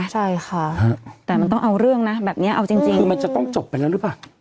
ใช่ค่ะแต่มันต้องเอาเรื่องนะแบบนี้เอาจริงคือมันจะต้องจบไปแล้วหรือเปล่า